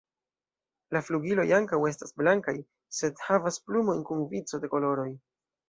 La flugiloj ankaŭ estas blankaj, sed havas plumojn kun vico de koloroj.